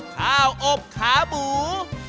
๓ข้าวอบขาบู